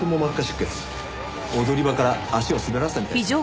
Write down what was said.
踊り場から足を滑らせたみたいですね。